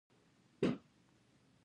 افغانستان په سیندونه غني دی.